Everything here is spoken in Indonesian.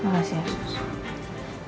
makasih ya sus